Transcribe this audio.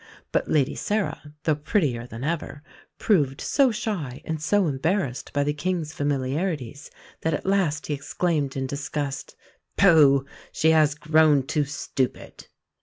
But Lady Sarah, though prettier than ever, proved so shy and so embarrassed by the King's familiarities that at last he exclaimed in disgust: "Pooh! she has grown too stupid!"